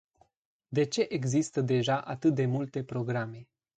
De ce există deja atât de multe programe?